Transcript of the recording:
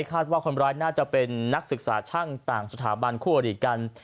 คาดว่าคนร้ายน่าจะเป็นนักศึกษาช่างต่างสถาบันคู่อดีตกัน